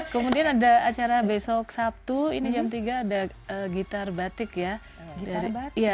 kemudian ada acara besok sabtu ini jam tiga ada gitar batik ya